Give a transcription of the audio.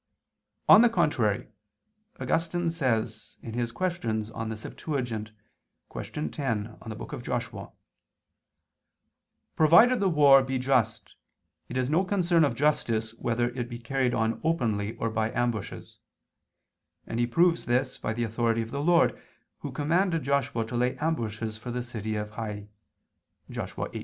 On the contrary, Augustine says (QQ. in Hept. qu. x super Jos): "Provided the war be just, it is no concern of justice whether it be carried on openly or by ambushes": and he proves this by the authority of the Lord, Who commanded Joshua to lay ambushes for the city of Hai (Joshua 8:2).